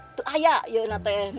itu ayah ya anate